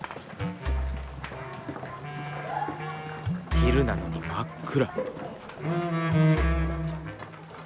昼なのに真っ暗。